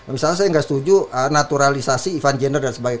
misalnya saya nggak setuju naturalisasi ivan gender dan sebagainya